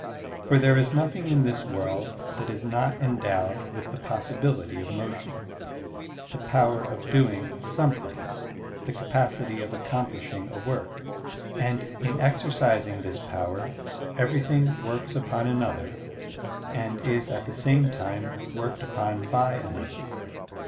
For there is nothing in this world that is not endowed with the possi bility of motion, the power of doing something, the capacity of accomplishing a work; and in exercising this power everything works upon another and is at the same time worked upon by another.